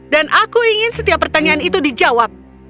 dan aku ingin setiap pertanyaan itu dijawab